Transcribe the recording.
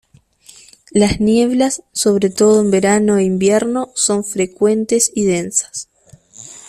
Las nieblas, sobre todo en verano e invierno, son frecuentes y densas.